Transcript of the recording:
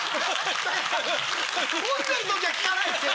混んでる時は聞かないですよ。